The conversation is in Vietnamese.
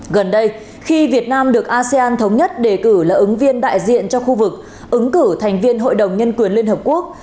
gần đây khi việt nam được asean thống nhất đề cử là ứng viên đại diện cho khu vực ứng cử thành viên hội đồng nhân quyền liên hợp quốc